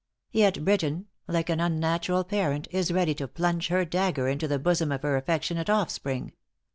Yet Britain, like an unnatural parent, is ready to plunge her dagger into the bosom of her affectionate offspring.